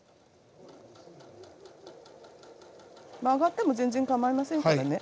曲がっても全然かまいませんからね。